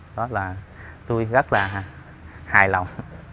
đó là tôi rất là hài lòng